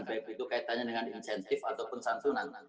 baik itu kaitannya dengan insentif ataupun santunan